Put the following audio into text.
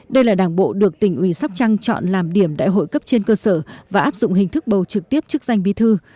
đây là đảng bộ được tỉnh ủy sóc trăng chọn làm điểm đại hội cấp trên cơ sở và áp dụng hình thức bầu trực tiếp chức danh bí thư